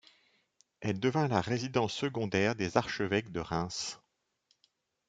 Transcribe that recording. Elle devint la résidence secondaire des archevêques de Reims.